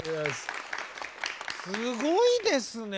すごいですね。